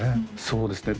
そうですね